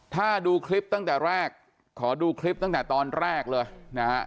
ถ้าดูคลิปตั้งแต่แรกขอดูคลิปตั้งแต่ตอนแรกเลยนะฮะ